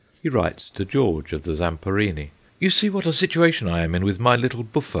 He writes to George of the Zamperini :' You see what a situation I am in with my little Buffa.